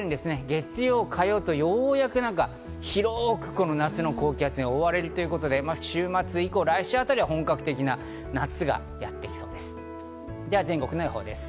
月曜、火曜とようやく広く夏の高気圧に覆われるということで週末以降、来週あたり本格的な夏がやってきそうです。